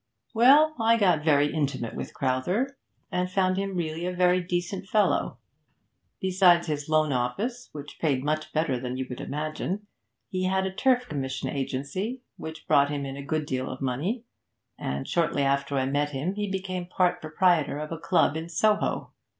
Well, I got very intimate with Crowther, and found him really a very decent fellow. He had a good many irons in the fire. Besides his loan office, which paid much better than you would imagine, he had a turf commission agency, which brought him in a good deal of money, and shortly after I met him he became part proprietor of a club in Soho.